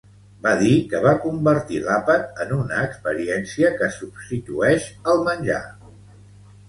Va dir que va convertir l'àpat en una experiència que substitueix el menjar.